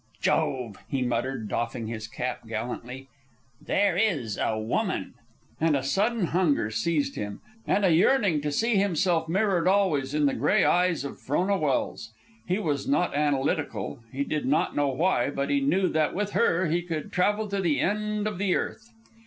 "Jove!" he muttered, doffing his cap gallantly. "There is a woman!" And a sudden hunger seized him, and a yearning to see himself mirrored always in the gray eyes of Frona Welse. He was not analytical; he did not know why; but he knew that with her he could travel to the end of the earth.